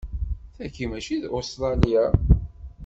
Tagi mačči d Ustṛalya.